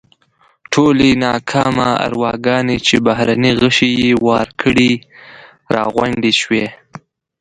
ټولې ناکامه ارواګانې چې بهرني غشي یې وار کړي راغونډې شوې.